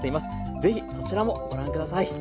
ぜひこちらもご覧下さい。